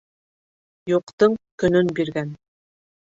Юҡтың көнөн биргән.